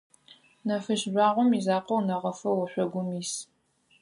Нэфышъ жъуагъом изакъоу, нэгъыфэу ошъогум ис.